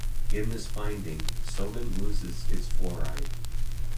In this binding, soman loses its fluoride.